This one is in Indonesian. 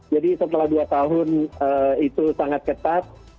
jadi setelah dua tahun itu sangat ketat